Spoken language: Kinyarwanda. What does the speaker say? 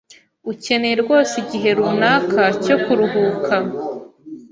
Ukeneye rwose igihe runaka cyo kuruhuka.